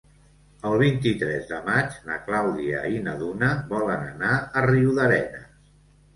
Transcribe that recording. El vint-i-tres de maig na Clàudia i na Duna volen anar a Riudarenes.